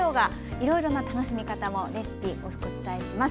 いろいろな楽しみ方、レシピお伝えします。